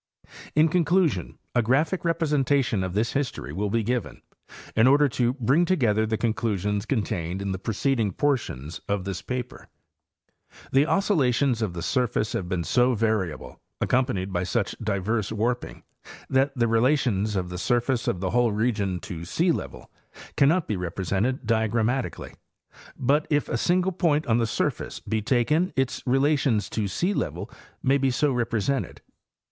In conclusion, a graphic representation of this history will be given, in order to bring together the conclusions contained in the preceding portions of this paper. The oscillations of the surface have been so variable, accompanied by such diverse warping, that the relations of the surface of the whole region to sealevel cannot be represented diagramatically ; but if a single 122. Hayes and Campbell—Appalachian Geomorphology. point on the surface be taken its relations to sealevel may be so represented.